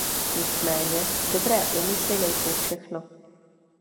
Nicméně, dobré úmysly nejsou všechno.